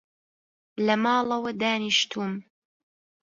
لە ماڵەوە دانیشتووم